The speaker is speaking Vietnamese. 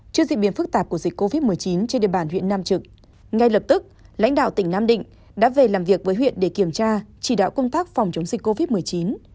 trước diễn biến phức tạp của dịch covid một mươi chín trên địa bàn huyện nam trực ngay lập tức lãnh đạo tỉnh nam định đã về làm việc với huyện để kiểm tra chỉ đạo công tác phòng chống dịch covid một mươi chín